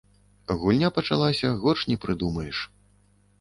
Гульня пачалася горш не прыдумаеш.